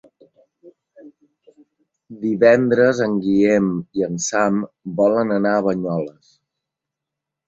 Divendres en Guillem i en Sam volen anar a Banyoles.